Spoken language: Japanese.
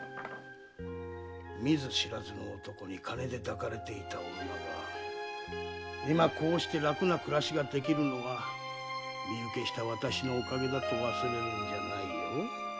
見ず知らずの男に金で抱かれていた女が今こうして楽な暮らしができるのは身請けした私のおかげだと忘れるんじゃないよ。